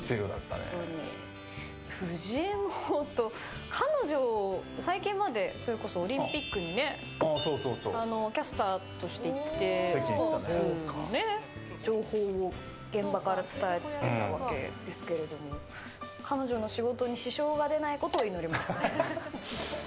藤本、彼女は最近までそれこそオリンピックにキャスターとして行ってスポーツの情報を現場から伝えていたわけですけれども彼女の仕事に支障が出ないことを祈ります。